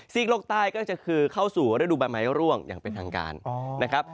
โลกใต้ก็คือเข้าสู่ฤดูใบไม้ร่วงอย่างเป็นทางการนะครับ